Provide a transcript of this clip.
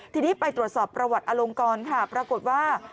ทีนี้ไปตรวจสอบประวัติอลงกรค่ะปรากฏว่า